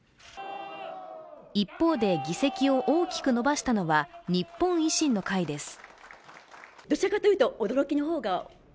一方で、議席を大きく伸ばしたのは日本維新の会です。